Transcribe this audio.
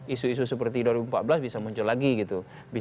isu isu seperti dua ribu empat belas bisa muncul lagi gitu